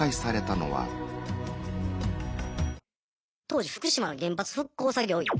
当時福島の原発復興作業員。